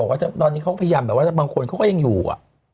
ว่าตอนนี้เขาพยายามแบบว่าบางคนเขาก็ยังอยู่